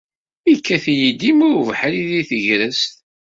Yekkat-iyi dima ubeḥri deg tegrest.